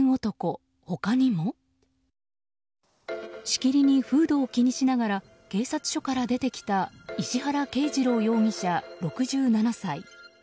しきりにフードを気にしながら警察署から出てきた石原啓二郎容疑者、６７歳。